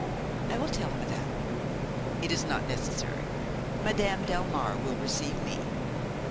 "I will tell madame." "It is not necessary. Madame Delmare will receive me."